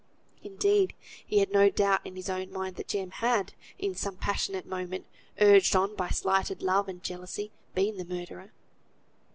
Indeed, he had no doubt in his own mind that Jem had, in some passionate moment, urged on by slighted love and jealousy, been the murderer.